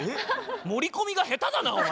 盛り込みが下手だなお前。